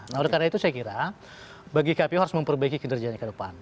nah oleh karena itu saya kira bagi kpu harus memperbaiki kinerjanya ke depan